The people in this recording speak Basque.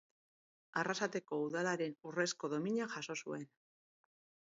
Arrasateko Udalaren Urrezko Domina jaso zuen.